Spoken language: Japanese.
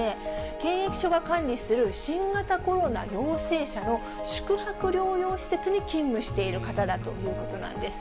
検疫所が管理する新型コロナ陽性者の宿泊療養施設に勤務している方だということなんです。